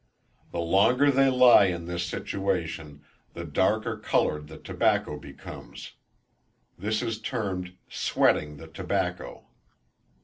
The longer they lie in this situation the darker coloured the tobacco becomes. This is termed "sweating the tobacco."